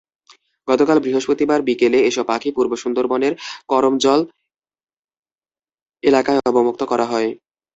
গতকাল বৃহস্পতিবার বিকেলে এসব পাখি পূর্ব সুন্দরবনের করমজল এলাকায় অবমুক্ত করা হয়।